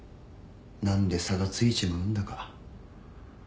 何で差がついちまうんだか。